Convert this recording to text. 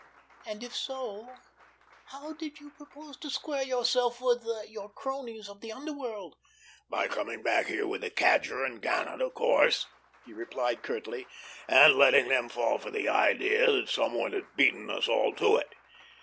And, if so, how did you propose to square yourself with your cronies of the underworld?" "By coming back here with the Cadger and Gannet, of course," he replied curtly, "and letting them fall for the idea that someone had beaten us all to it."